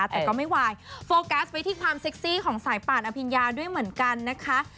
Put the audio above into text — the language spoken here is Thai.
แต่ก็ไม่วายโฟกัสไว้ที่ความเซ็กซี่ของสายป่านอภิญญาด้วยเหมือนกันนะคะ